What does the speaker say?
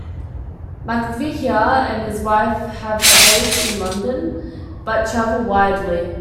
McVicar and his wife have a base in London, but travel widely.